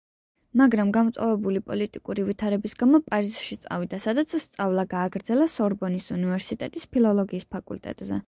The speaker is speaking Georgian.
მაგრამ გამწვავებული პოლიტიკური ვითარების გამო პარიზში წავიდა, სადაც სწავლა გააგრძელა სორბონის უნივერსიტეტის ფილოლოგიის ფაკულტეტზე.